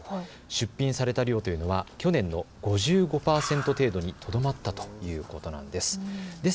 出品された量というのは去年の５５％程度にとどまったということなんです。